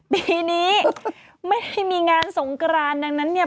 ปีนี้ไม่ได้มีงานสงกรานดังนั้นเนี่ย